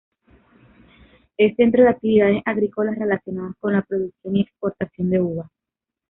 Es centro de actividades agrícolas relacionadas con la producción y exportación de uvas.